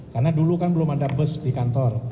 karena dulu kan belum ada bus di kantor